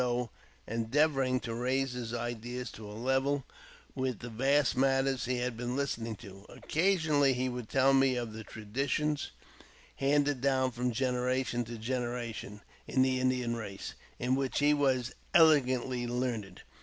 though endeavouring to raise his ideas to a level with the vast, matters he had been listening to. Occasionally he would tell me of the traditions handed down from generation to genera tion in the Indian race, in which he w^as '* elegantly learned."